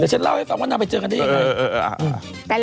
ต้องก่อนต้องไปเจอกันด้วยอีกครับ